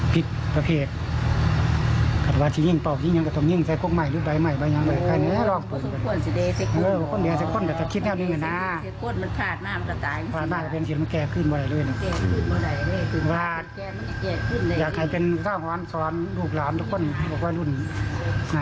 พลาดมากจะเป็นศีลมะแก่ขึ้นบ่อยเลยนะครับอยากให้เป็นรอนสอนลูกหลานทุกคนบอกว่ารุ่น